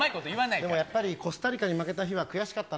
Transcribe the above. でもやっぱり、コスタリカに負けた日は悔しかったな。